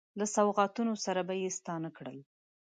له سوغاتونو سره به یې ستانه کړل.